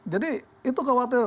jadi itu khawatir